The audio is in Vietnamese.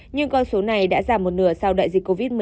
nhưng con số này đã giảm một nửa sau đại dịch covid một mươi chín